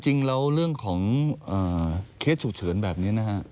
จริงแล้วเรื่องของเคสฉุกเฉินแบบนี้นะฮะ